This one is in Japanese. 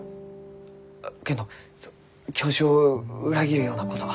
けんど教授を裏切るようなことは。